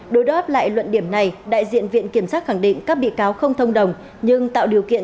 đối đáp lại luận điểm này đại diện viện kiểm sát khẳng định các bị cáo không thông đồng nhưng tạo điều kiện